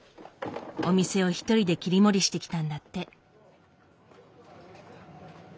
お店を一人で切り盛りしてきたんだって。